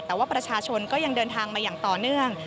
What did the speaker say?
แต่ว่าประชาชนก็ยังเดินทางมาอย่างต่อเนื่อง